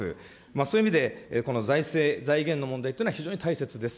そういう意味でこの財政、財源の問題というのは非常に大切です。